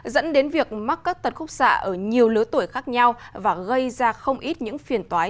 dẫn đến việc mắc các tật khúc xạ ở nhiều lứa tuổi khác nhau và gây ra không ít những phiền toái